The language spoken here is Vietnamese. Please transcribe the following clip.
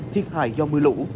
thiệt hại do mưa lũ